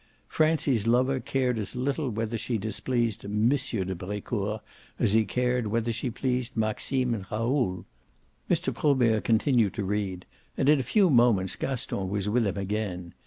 Francie's lover cared as little whether she displeased M. de Brecourt as he cared whether she pleased Maxime and Raoul. Mr. Probert continued to read, and in a few moments Gaston was with him again.